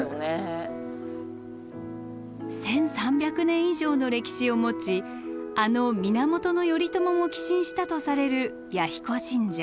１，３００年以上の歴史を持ちあの源頼朝も寄進したとされる彌彦神社。